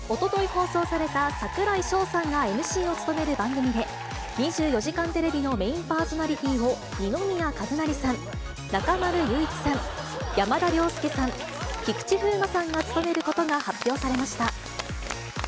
放送された、櫻井翔さんがＭＣを務める番組で、２４時間テレビのメインパーソナリティーを二宮和也さん、中丸雄一さん、山田涼介さん、菊池風磨さんが務めることが発表されました。